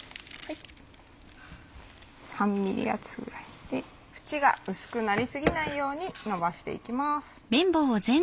３ｍｍ厚ぐらいで縁が薄くなりすぎないようにのばしていきます。